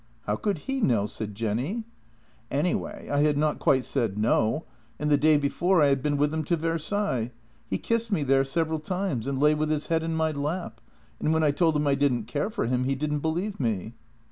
" How could he know? " said Jenny. " Anyway, I had not quite said no, and the day before I had been with him to Versailles. He kissed me there several times and lay with his head in my lap, and when I told him I didn't care for him he didn't believe me."